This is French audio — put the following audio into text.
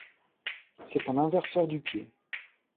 C'est un inverseur du pied.